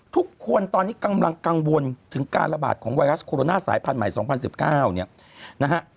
ทุกคนตอนนี้กำลังกังวลถึงการระบาดของไวรัสโคโรนาสายพันธุ์ใหม่๒๐๑๙เนี่ยนะฮะ